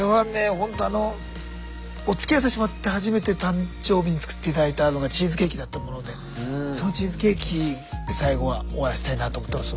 ほんとあのおつきあいさせてもらって初めて誕生日に作って頂いたのがチーズケーキだったものでそのチーズケーキで最期は終わらせたいなと思ってます。